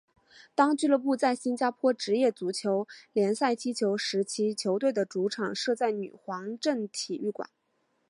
当俱乐部在新加坡职业足球联赛踢球时期球队的主场设在女皇镇体育场。